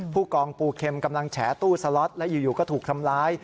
ผู้กองปูเข็มกำลังแฉตู้สล็อตและอยู่ก็ถูกทำร้าย